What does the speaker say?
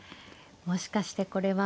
もしかしてこれは。